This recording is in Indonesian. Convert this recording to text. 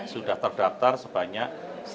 sudah terdaftar sebanyak